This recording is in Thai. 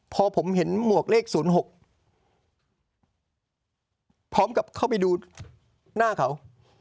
พอผมเห็นหมวกเลข๐๖พร้อมกับเข้าไปดูหน้าเขา